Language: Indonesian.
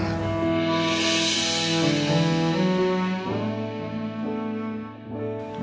aku juga berharap bisa seperti itu